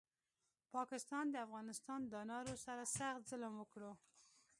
پاکستاد د افغانستان دانارو سره سخت ظلم وکړو